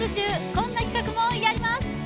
こんな企画もやります。